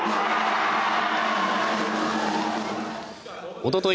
おととい